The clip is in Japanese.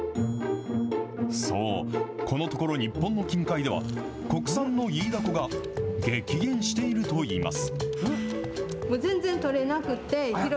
そう、このところ日本の近海では、国産のイイダコが激減しているといいます。